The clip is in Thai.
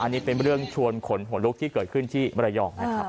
ก็จะเป็นสิ่งชวนขนหลุกที่เกิดขึ้นที่มรยองนะครับ